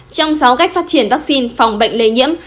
trong sáu cách phát triển vaccine phòng bệnh lây nhiễm